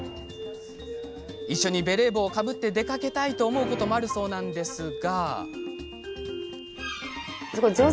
一緒にベレー帽をかぶって出かけたいと思うこともあるそうなんですが。